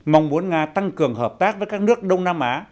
mong muốn nga tăng cường hợp tác với các nước đông nam á